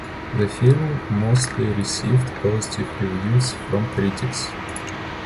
The film mostly received positive reviews from critics.